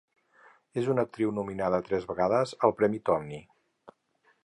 És una actriu nominada tres vegades al Premi Tony.